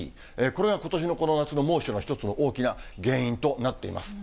これがことしのこの夏の猛暑の一つの大きな原因となっています。